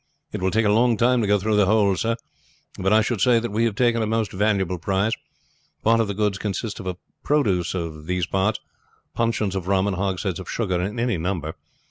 "It will take a long time to go through the whole sir, but I should say that we have taken a most valuable prize. Part of the goods consist of produce of these parts puncheons of rum and hogsheads of sugar in any number.